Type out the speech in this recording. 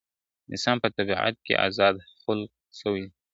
انسان په طبیعت کي آزاد خلق سوی دی `